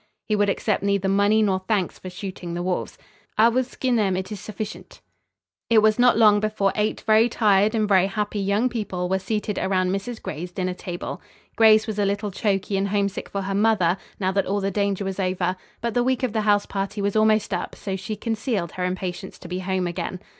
He would accept neither money nor thanks for shooting the wolves. "I will skin them. It is sufficient." It was not long before eight very tired and very happy young people were seated around Mrs. Gray's dinner table. Grace was a little choky and homesick for her mother, now that all the danger was over, but the week of the house party was almost up, so she concealed her impatience to be home again.